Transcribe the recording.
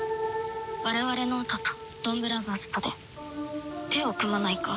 我々脳人とドンブラザーズとで手を組まないか？